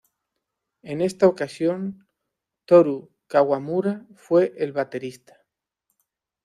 En esta ocasión Toru Kawamura fue el baterista.